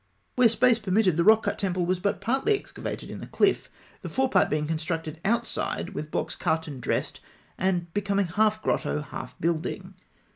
Where space permitted, the rock cut temple was but partly excavated in the cliff, the forepart being constructed outside with blocks cut and dressed, and becoming half grotto, half building.